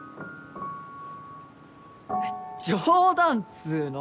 冗談っつうの！